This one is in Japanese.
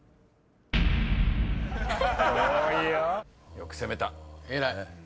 よく攻めた。